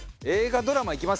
映画・ドラマい